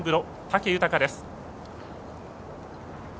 武豊です。